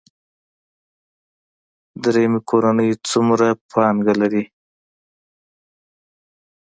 دریم کورنۍ څومره پانګه لري.